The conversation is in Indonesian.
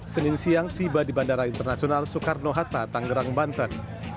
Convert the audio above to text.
senin siang tiba di bandara internasional soekarno hatta tanggerang banten